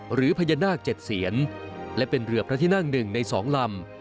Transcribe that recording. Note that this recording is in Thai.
หรือพญานาคเจ็ดเสียนและเป็นเรือพระทินั่งหนึ่งในสองลำ